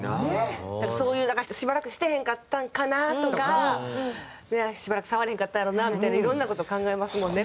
だからそういうしばらくしてへんかったんかなとかしばらく触らへんかったんやろなみたいないろんな事を考えますもんね